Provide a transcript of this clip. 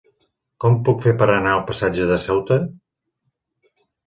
Com ho puc fer per anar al passatge de Ceuta?